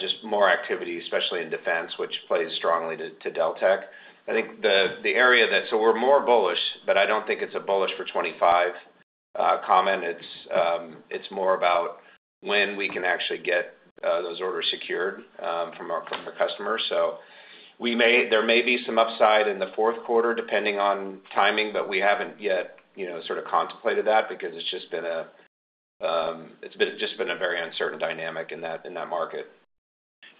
just more activity, especially in defense, which plays strongly to Deltek. I think the area that—so we're more bullish, but I don't think it's a bullish for 2025. Comment. It's more about when we can actually get those orders secured from our customers. There may be some upside in the fourth quarter depending on timing, but we haven't yet sort of contemplated that because it's just been a very uncertain dynamic in that market.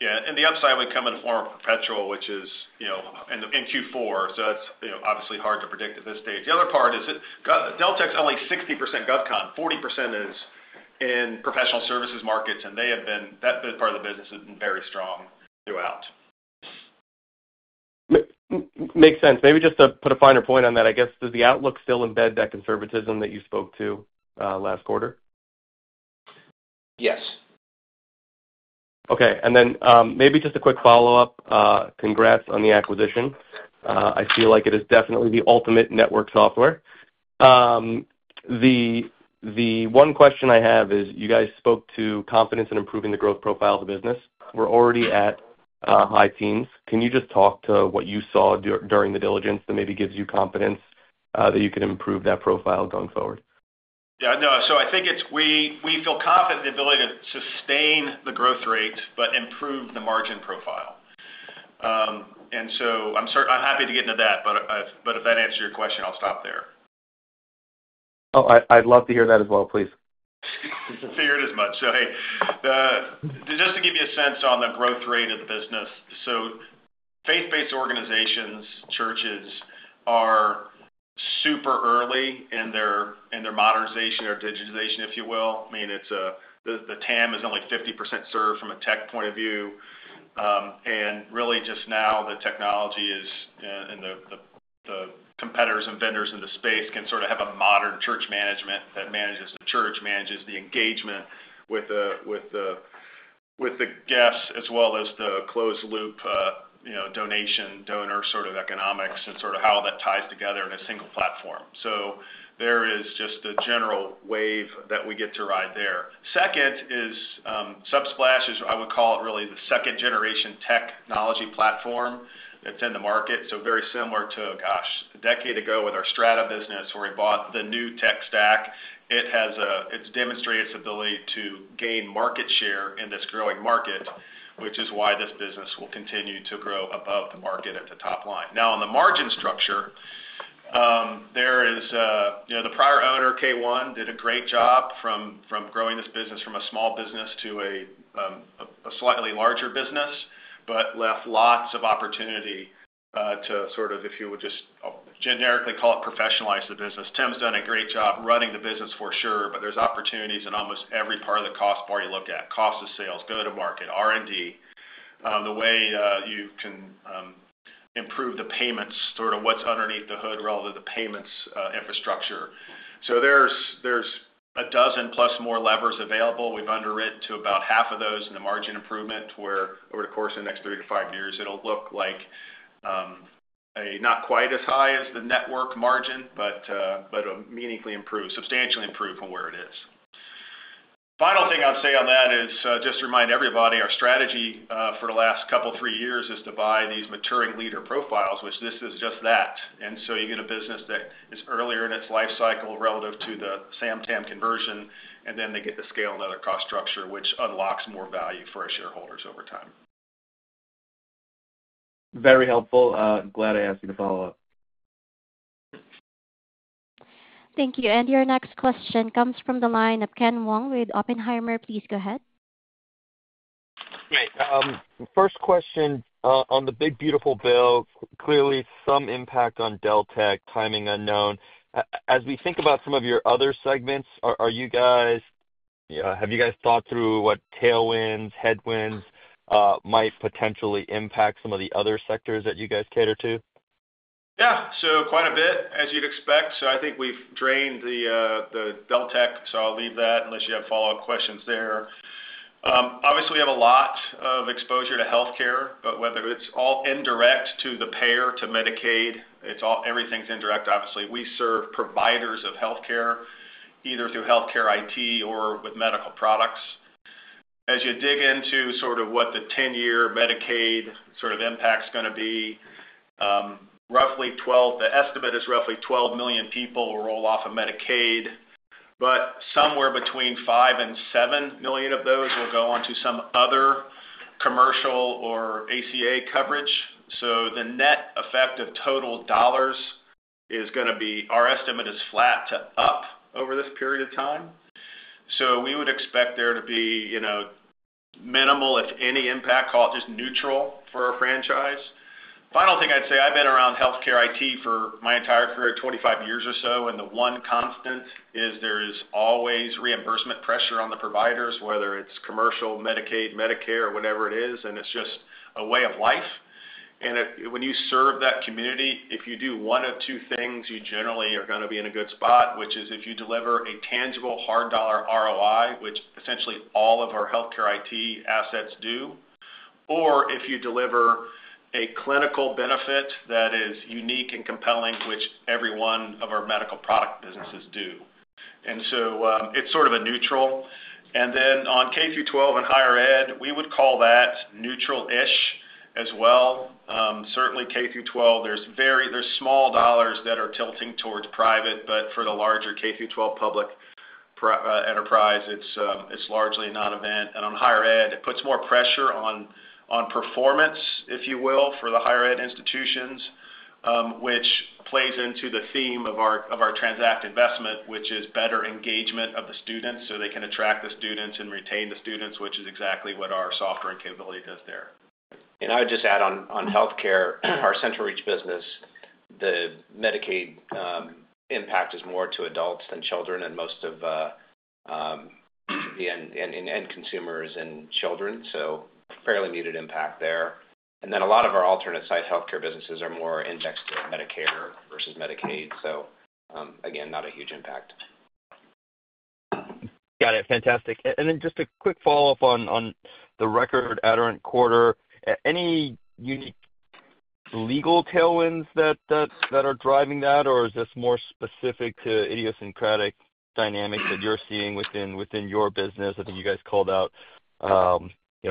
Yeah. The upside would come in the form of perpetual, which is in Q4. That is obviously hard to predict at this stage. The other part is Deltek's only 60% GovCon. Forty percent is in professional services markets, and that part of the business has been very strong throughout. Makes sense. Maybe just to put a finer point on that, I guess, does the outlook still embed that conservatism that you spoke to last quarter? Yes. Okay. Maybe just a quick follow-up. Congrats on the acquisition. I feel like it is definitely the ultimate network software. The one question I have is you guys spoke to confidence in improving the growth profile of the business. We're already at high teens. Can you just talk to what you saw during the diligence that maybe gives you confidence that you can improve that profile going forward? Yeah. No. I think we feel confident in the ability to sustain the growth rate but improve the margin profile. I'm happy to get into that, but if that answers your question, I'll stop there. Oh, I'd love to hear that as well. Please. I feared as much. So hey. Just to give you a sense on the growth rate of the business, so faith-based organizations, churches are super early in their modernization, their digitization, if you will. I mean, the TAM is only 50% served from a tech point of view. And really just now the technology and the competitors and vendors in the space can sort of have a modern church management that manages the church, manages the engagement with the guests as well as the closed-loop donation, donor sort of economics and sort of how that ties together in a single platform. There is just a general wave that we get to ride there. Second is Subsplash is, I would call it really, the second-generation technology platform that's in the market. Very similar to, gosh, a decade ago with our Strata business where we bought the new tech stack. It's demonstrated its ability to gain market share in this growing market, which is why this business will continue to grow above the market at the top line. Now, on the margin structure. The prior owner, K1, did a great job from growing this business from a small business to a slightly larger business, but left lots of opportunity to sort of, if you would just generically call it, professionalize the business. Tim's done a great job running the business for sure, but there's opportunities in almost every part of the cost bar you look at: cost of sales, go-to-market, R&D, the way you can improve the payments, sort of what's underneath the hood relative to the payments infrastructure. There's a dozen plus more levers available. We've underwritten to about half of those in the margin improvement where over the course of the next three to five years, it'll look like not quite as high as the network margin, but meaningfully improved, substantially improved from where it is. Final thing I'd say on that is just to remind everybody, our strategy for the last couple, three years is to buy these maturing leader profiles, which this is just that. You get a business that is earlier in its life cycle relative to the SAM/TAM conversion, and then they get to scale another cost structure, which unlocks more value for our shareholders over time. Very helpful. Glad I asked you to follow up. Thank you. Your next question comes from the line of Ken Wong with Oppenheimer. Please go ahead. Great. First question on The Big Beautiful Bill, clearly some impact on Deltek, timing unknown. As we think about some of your other segments, have you guys thought through what tailwinds, headwinds might potentially impact some of the other sectors that you guys cater to? Yeah. Quite a bit, as you'd expect. I think we've drained the Deltek, so I'll leave that unless you have follow-up questions there. Obviously, we have a lot of exposure to healthcare, but whether it's all indirect to the payer to Medicaid, everything's indirect, obviously. We serve providers of healthcare either through healthcare IT or with medical products. As you dig into sort of what the 10-year Medicaid sort of impact's going to be, the estimate is roughly 12 million people will roll off of Medicaid, but somewhere between 5-7 million of those will go on to some other commercial or ACA coverage. The net effect of total dollars is going to be, our estimate is flat to up over this period of time. We would expect there to be minimal, if any, impact, call it just neutral for a franchise. Final thing I'd say, I've been around healthcare IT for my entire career, 25 years or so, and the one constant is there is always reimbursement pressure on the providers, whether it's commercial, Medicaid, Medicare, or whatever it is, and it's just a way of life. When you serve that community, if you do one of two things, you generally are going to be in a good spot, which is if you deliver a tangible hard dollar ROI, which essentially all of our healthcare IT assets do, or if you deliver a clinical benefit that is unique and compelling, which every one of our medical product businesses do. It's sort of a neutral. On K through 12 and higher ed, we would call that neutral-ish as well. Certainly, K through 12, there's small dollars that are tilting towards private, but for the larger K through 12 public enterprise, it's largely a non-event. On higher ed, it puts more pressure on performance, if you will, for the higher ed institutions, which plays into the theme of our Transact investment, which is better engagement of the students so they can attract the students and retain the students, which is exactly what our software and capability does there. I would just add on healthcare, our CentralReach business. The Medicaid impact is more to adults than children and most of the end consumers are children. So fairly muted impact there. A lot of our alternate site healthcare businesses are more indexed to Medicare versus Medicaid. Again, not a huge impact. Got it. Fantastic. And then just a quick follow-up on the record Aderant quarter. Any unique legal tailwinds that are driving that, or is this more specific to idiosyncratic dynamics that you're seeing within your business? I think you guys called out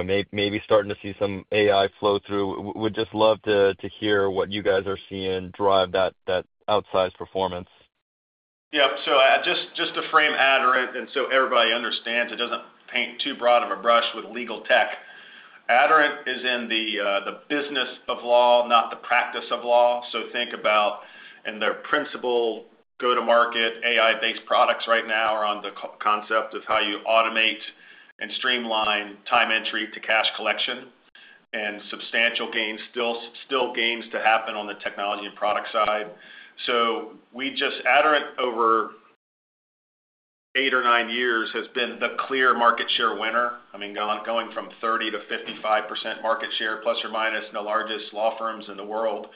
maybe starting to see some AI flow through. We'd just love to hear what you guys are seeing drive that outsized performance. Yeah. Just to frame Aderant and so everybody understands, it does not paint too broad of a brush with legal tech. Aderant is in the business of law, not the practice of law. Think about, in their principal go-to-market AI-based products right now, the concept of how you automate and streamline time entry to cash collection and substantial gains, still gains to happen on the technology and product side. Aderant, over eight or nine years, has been the clear market share winner. I mean, going from 30% to 55% market share, plus or minus, the largest law firms in the world.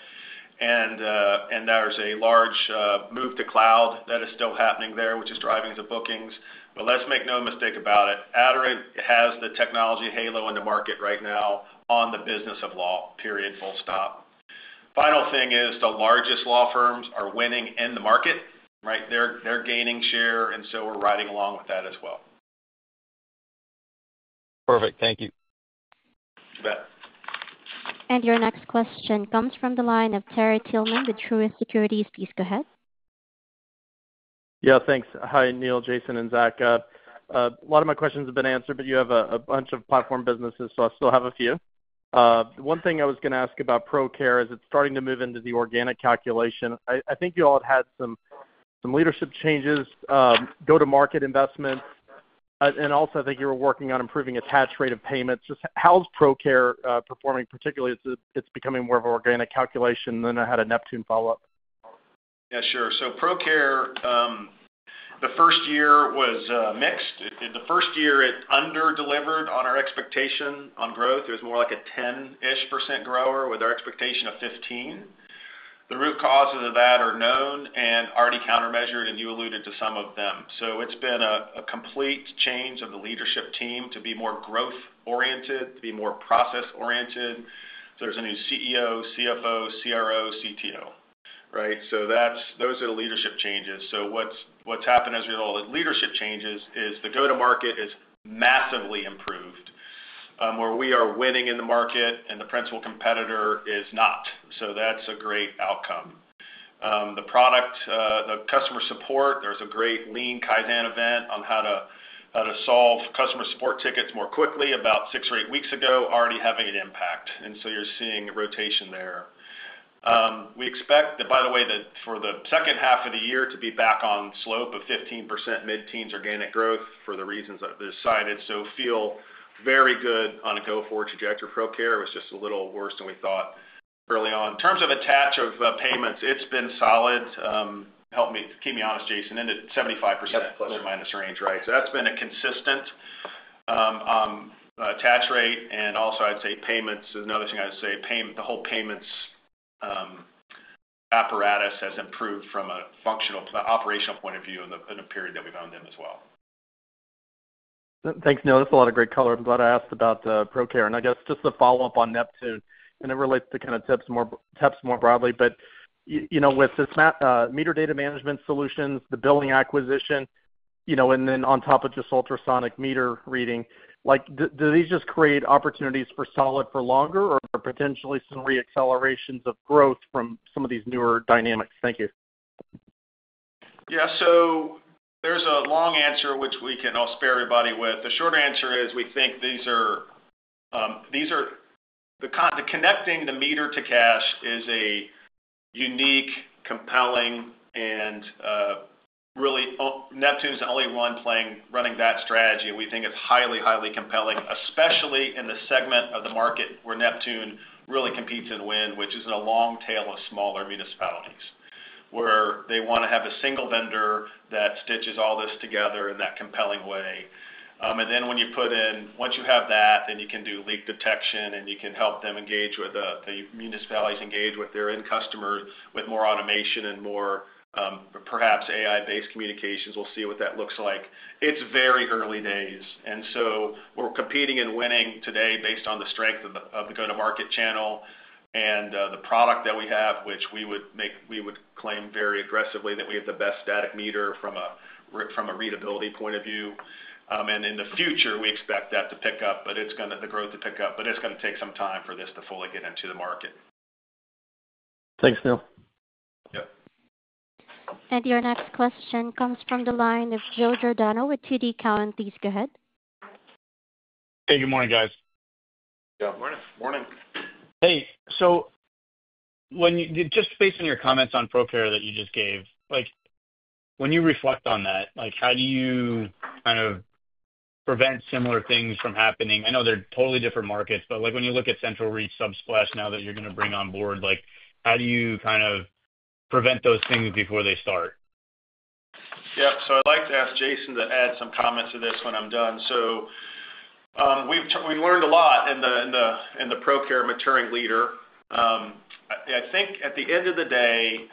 There is a large move to cloud that is still happening there, which is driving the bookings. Make no mistake about it. Aderant has the technology halo in the market right now on the business of law. Period. Full stop. Final thing is the largest law firms are winning in the market, right? They are gaining share, and we are riding along with that as well. Perfect. Thank you. Your next question comes from the line of Terry Tillman with Truist Securities. Please go ahead. Yeah. Thanks. Hi, Neil, Jason, and Zach. A lot of my questions have been answered, but you have a bunch of platform businesses, so I still have a few. One thing I was going to ask about ProCare is it's starting to move into the organic calculation. I think you all had had some leadership changes, go-to-market investment. And also, I think you were working on improving attached rate of payments. Just how's ProCare performing? Particularly, it's becoming more of an organic calculation. Then I had a Neptune follow-up. Yeah. Sure. So ProCare. The first year was mixed. The first year, it under-delivered on our expectation on growth. It was more like a 10%-ish grower with our expectation of 15%. The root causes of that are known and already countermeasured, and you alluded to some of them. It has been a complete change of the leadership team to be more growth-oriented, to be more process-oriented. There is a new CEO, CFO, CRO, CTO, right? Those are the leadership changes. What has happened as a result of the leadership changes is the go-to-market is massively improved. We are winning in the market and the principal competitor is not. That is a great outcome. The customer support, there was a great lean Kaizen event on how to solve customer support tickets more quickly about six or eight weeks ago, already having an impact. You are seeing a rotation there. We expect, by the way, for the second half of the year to be back on slope of 15% mid-teens organic growth for the reasons that I have decided. I feel very good on a go-forward trajectory. ProCare was just a little worse than we thought early on. In terms of attach of payments, it has been solid. Keep me honest, Jason. Into 75% plus or minus range, right? That has been a consistent attach rate. Also, I would say payments is another thing I would say. The whole payments apparatus has improved from a functional operational point of view in the period that we have owned them as well. Thanks, Neil. That's a lot of great color. I'm glad I asked about ProCare. I guess just to follow up on Neptune, and it relates to kind of tips more broadly, but with meter data management solutions, the billing acquisition, and then on top of just ultrasonic meter reading, do these just create opportunities for solid for longer or potentially some re-accelerations of growth from some of these newer dynamics? Thank you. Yeah. There is a long answer which we can all spare everybody with. The short answer is we think these are. Connecting the meter to cash is a unique, compelling, and really Neptune's the only one running that strategy. We think it's highly, highly compelling, especially in the segment of the market where Neptune really competes and wins, which is in a long tail of smaller municipalities where they want to have a single vendor that stitches all this together in that compelling way. Once you have that, then you can do leak detection and you can help them engage with the municipalities, engage with their end customers with more automation and more, perhaps AI-based communications. We will see what that looks like. It is very early days. We are competing and winning today based on the strength of the go-to-market channel and the product that we have, which we would claim very aggressively that we have the best static meter from a readability point of view. In the future, we expect that to pick up, but the growth is going to take some time for this to fully get into the market. Thanks, Neil. Your next question comes from the line of Joe Giordano with TD Cowen. Please go ahead. Hey, good morning, guys. Yeah. Morning. Morning. Hey. Just based on your comments on ProCare that you just gave, when you reflect on that, how do you kind of prevent similar things from happening? I know they're totally different markets, but when you look at CentralReach, Subsplash now that you're going to bring on board, how do you kind of prevent those things before they start? Yeah. I'd like to ask Jason to add some comments to this when I'm done. We've learned a lot in the ProCare maturing leader. I think at the end of the day,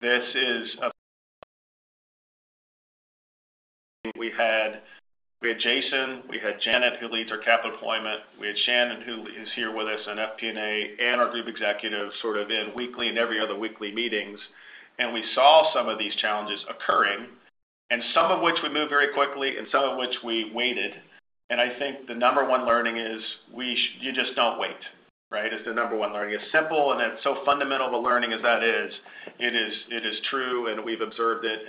this is—we had Jason, we had Janet, who leads our capital deployment, we had Shannon, who is here with us and FP&A, and our group executives sort of in weekly and every other weekly meetings. We saw some of these challenges occurring, and some of which we moved very quickly and some of which we waited. I think the number one learning is you just do not wait, right? It is the number one learning. It is simple, and as fundamental of a learning as that is, it is true, and we've observed it.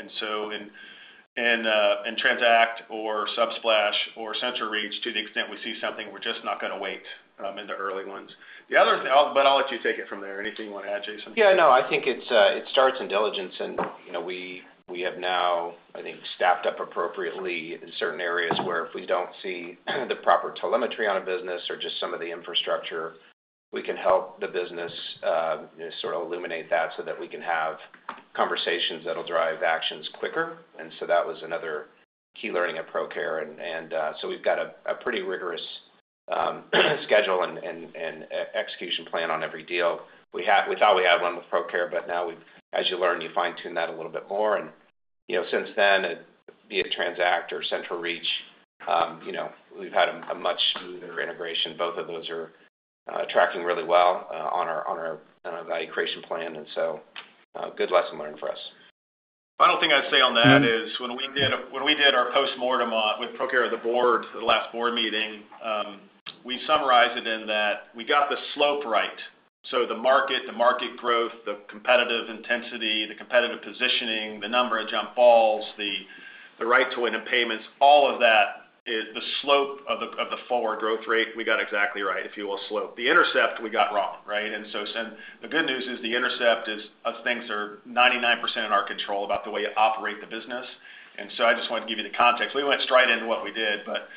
In Transact or Subsplash or CentralReach, to the extent we see something, we're just not going to wait in the early ones. I'll let you take it from there. Anything you want to add, Jason? Yeah. No, I think it starts in diligence. And we have now, I think, staffed up appropriately in certain areas where if we do not see the proper telemetry on a business or just some of the infrastructure, we can help the business. Sort of illuminate that so that we can have conversations that'll drive actions quicker. That was another key learning at ProCare. We have a pretty rigorous schedule and execution plan on every deal. We thought we had one with ProCare, but now, as you learn, you fine-tune that a little bit more. Since then, via Transact or CentralReach, we have had a much smoother integration. Both of those are tracking really well on our value creation plan. Good lesson learned for us. Final thing I'd say on that is when we did our post-mortem with ProCare at the board, the last board meeting. We summarized it in that we got the slope right. The market, the market growth, the competitive intensity, the competitive positioning, the number of jump falls, the right to win in payments, all of that. The slope of the forward growth rate, we got exactly right, if you will, slope. The intercept, we got wrong, right? The good news is the intercept is things are 99% in our control about the way you operate the business. I just wanted to give you the context. We went straight into what we did, but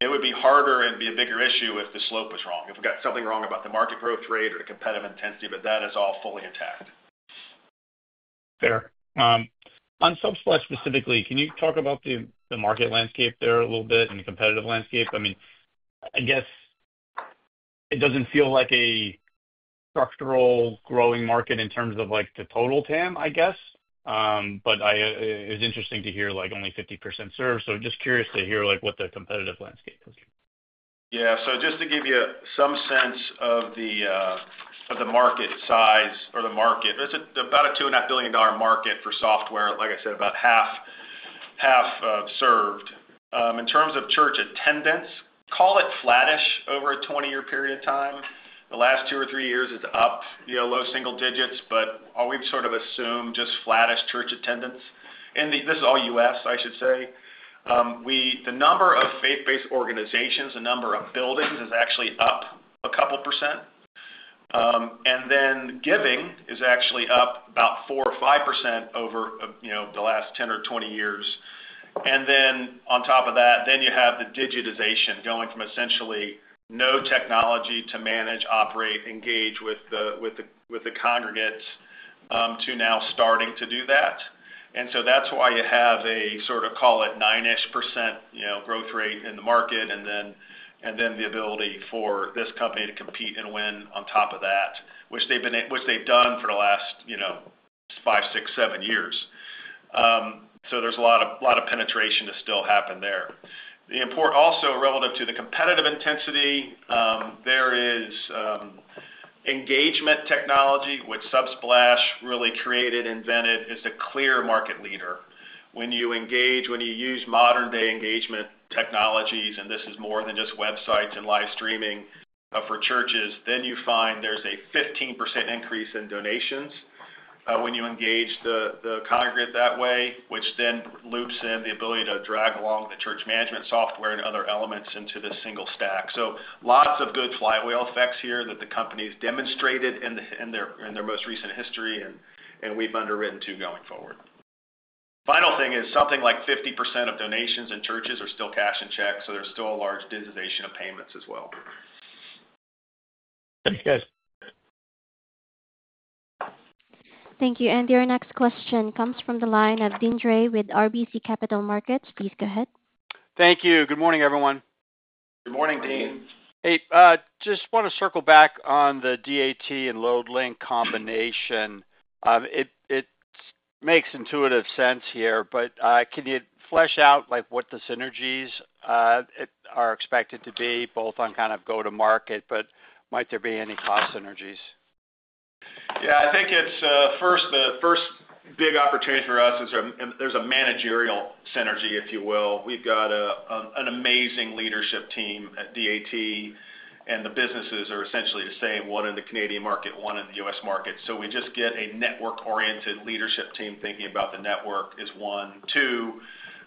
it would be harder and be a bigger issue if the slope was wrong, if we got something wrong about the market growth rate or the competitive intensity, but that is all fully intact. Fair. On Subsplash specifically, can you talk about the market landscape there a little bit and the competitive landscape? I mean, I guess. It doesn't feel like a structural growing market in terms of the total TAM, I guess. It was interesting to hear only 50% serve. Just curious to hear what the competitive landscape is. Yeah. So just to give you some sense of the market size or the market, it's about a $2.5 billion market for software, like I said, about half served. In terms of church attendance, call it flattish over a 20-year period of time. The last two or three years, it's up, low single digits, but we've sort of assumed just flattish church attendance. And this is all U.S., I should say. The number of faith-based organizations, the number of buildings is actually up a couple percent. And then giving is actually up about 4-5% over the last 10 or 20 years. On top of that, you have the digitization going from essentially no technology to manage, operate, engage with the congregates to now starting to do that. That's why you have a sort of, call it, 9%-ish growth rate in the market and then the ability for this company to compete and win on top of that, which they've done for the last five, six, seven years. There's a lot of penetration to still happen there. Also, relative to the competitive intensity, there is engagement technology, which Subsplash really created, invented, is a clear market leader. When you engage, when you use modern-day engagement technologies, and this is more than just websites and live streaming for churches, then you find there's a 15% increase in donations when you engage the congregate that way, which then loops in the ability to drag along the church management software and other elements into this single stack. Lots of good flywheel effects here that the company has demonstrated in their most recent history, and we've underwritten to going forward. Final thing is something like 50% of donations in churches are still cash and checks, so there's still a large digitization of payments as well. Thank you, guys. Thank you. Your next question comes from the line of Deane Dray with RBC Capital Markets. Please go ahead. Thank you. Good morning, everyone. Good morning, Deane. Hey. Just want to circle back on the DAT and LoadLink combination. It makes intuitive sense here, but can you flesh out what the synergies are expected to be, both on kind of go-to-market, but might there be any cost synergies? Yeah. I think first. The first big opportunity for us is there's a managerial synergy, if you will. We've got an amazing leadership team at DAT, and the businesses are essentially the same, one in the Canadian market, one in the U.S. market. We just get a network-oriented leadership team thinking about the network as one. Two,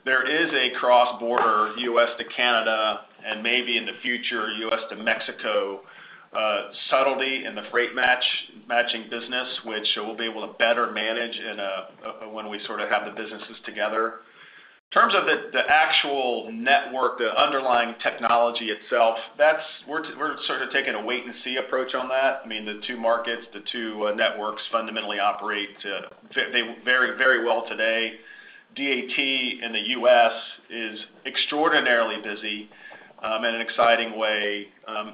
there is a cross-border U.S. to Canada and maybe in the future U.S. to Mexico subtlety in the freight matching business, which we'll be able to better manage when we sort of have the businesses together. In terms of the actual network, the underlying technology itself, we're sort of taking a wait-and-see approach on that. I mean, the two markets, the two networks fundamentally operate very well today. DAT in the U.S. is extraordinarily busy in an exciting way,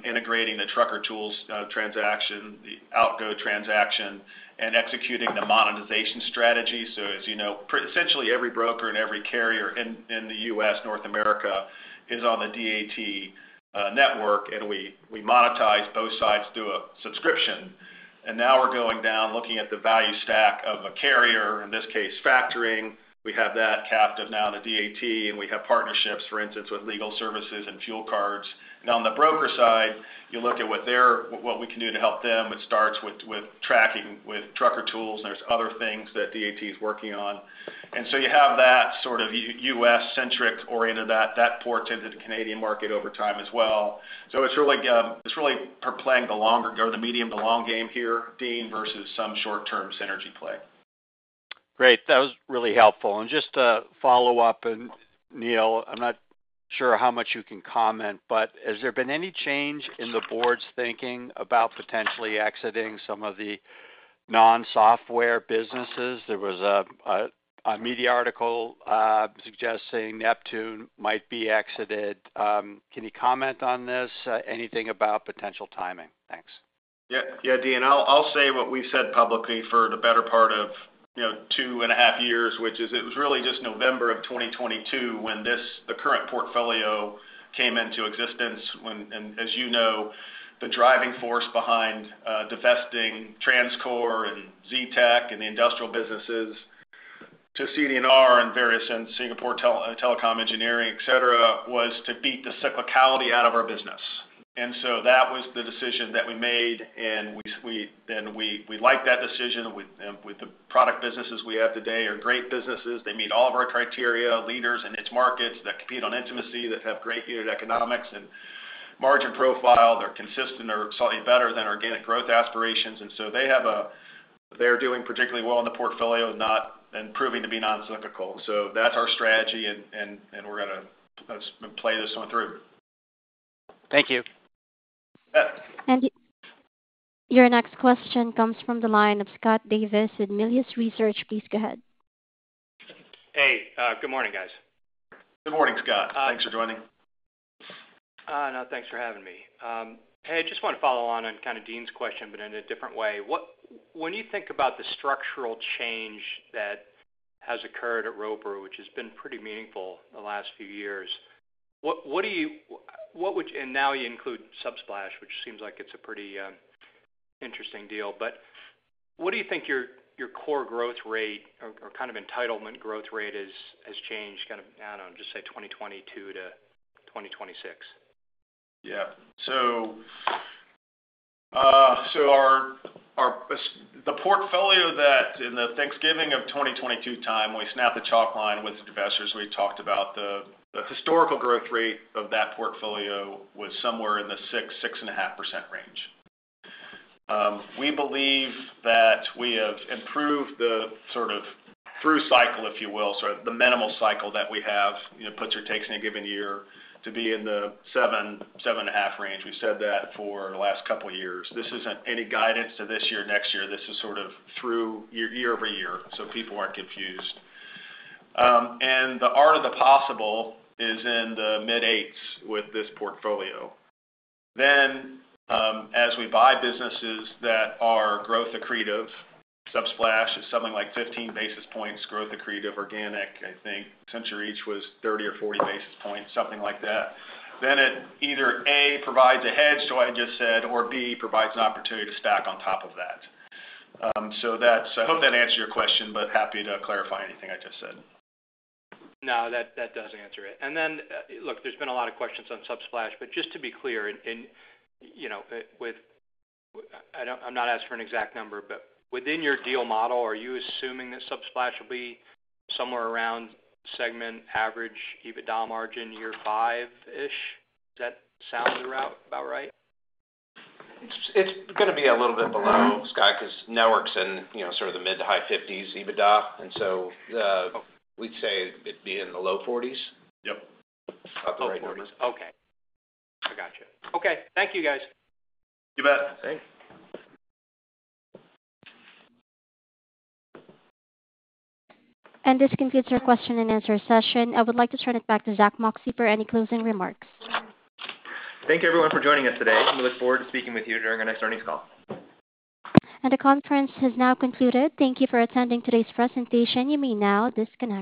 integrating the Trucker Tools transaction, the Algo transaction, and executing the monetization strategy. As you know, essentially every broker and every carrier in the U.S., North America is on the DAT network, and we monetize both sides through a subscription. Now we're going down, looking at the value stack of a carrier, in this case, factoring. We have that captive now in the DAT, and we have partnerships, for instance, with legal services and fuel cards. On the broker side, you look at what we can do to help them. It starts with tracking with Trucker Tools. There are other things that DAT is working on. You have that sort of U.S.-centric orientation that ports into the Canadian market over time as well. It is really playing the longer goal, the medium to long game here, Deane, versus some short-term synergy play. Great. That was really helpful. Just to follow up, Neil, I'm not sure how much you can comment, but has there been any change in the board's thinking about potentially exiting some of the non-software businesses? There was a media article suggesting Neptune might be exited. Can you comment on this? Anything about potential timing? Thanks. Yeah. Yeah, Deane. I'll say what we've said publicly for the better part of two and a half years, which is it was really just November of 2022 when the current portfolio came into existence. As you know, the driving force behind divesting TransCore and Zetec and the industrial businesses to CD&R and various Singapore Telecom Engineering, etc., was to beat the cyclicality out of our business. That was the decision that we made. We liked that decision. The product businesses we have today are great businesses. They meet all of our criteria, leaders in its markets that compete on intimacy, that have great unit economics and margin profile. They're consistent or slightly better than organic growth aspirations. They have a, they're doing particularly well in the portfolio and proving to be non-cyclical. That's our strategy, and we're going to play this one through. Thank you. Your next question comes from the line of Scott Davis at Melius Research. Please go ahead. Hey. Good morning, guys. Good morning, Scott. Thanks for joining. No, thanks for having me. Hey, I just want to follow on on kind of Deane's question, but in a different way. When you think about the structural change that has occurred at Roper, which has been pretty meaningful the last few years, what do you. And now you include Subsplash, which seems like it's a pretty. Interesting deal. What do you think your core growth rate or kind of entitlement growth rate has changed kind of, I don't know, just say 2022 to 2026? Yeah. The portfolio that in the Thanksgiving of 2022 time, we snapped the chalk line with the investors. We talked about the historical growth rate of that portfolio was somewhere in the 6-6.5% range. We believe that we have improved the sort of through cycle, if you will, sort of the minimal cycle that we have, puts or takes in a given year to be in the 7-7.5% range. We've said that for the last couple of years. This isn't any guidance to this year, next year. This is sort of through year-over-year so people aren't confused. The art of the possible is in the mid 8% with this portfolio. As we buy businesses that are growth accretive, Subsplash is something like 15 basis points growth accretive organic. I think CentralReach was 30 or 40 basis points, something like that. It either A, provides a hedge to what I just said, or B, provides an opportunity to stack on top of that. I hope that answers your question, but happy to clarify anything I just said. No, that does answer it. Look, there's been a lot of questions on Subsplash, but just to be clear, I'm not asking for an exact number, but within your deal model, are you assuming that Subsplash will be somewhere around segment average EBITDA margin year five-ish? Does that sound about right? It's going to be a little bit below, Scott, because network's in sort of the mid to high 50s EBITDA. And so we'd say it'd be in the low 40s. Yep. Up to the low 40s. Okay. I gotcha. Okay. Thank you, guys. You bet. Thanks. This concludes our question and answer session. I would like to turn it back to Zack Moxcey or any closing remarks. Thank you, everyone, for joining us today. We look forward to speaking with you during our next earnings call. The conference has now concluded. Thank you for attending today's presentation. You may now disconnect.